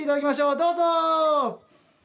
どうぞ！